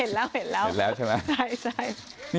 เห็นแล้วใช่ไหมใช่